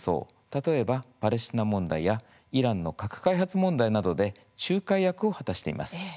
例えば、パレスチナ問題やイランの核開発問題などで仲介役を果たしています。